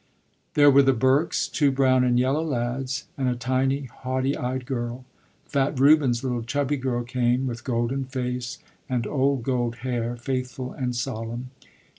There were the Burkes, two brown and yellow lads, and a tiny haughty eyed girl. Fat Reuben's little chubby girl came, with golden face and old gold hair, faithful and solemn.